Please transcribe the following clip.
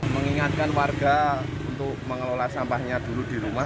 mengingatkan warga untuk mengelola sampahnya dulu di rumah